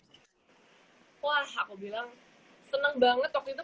seneng banget waktu itu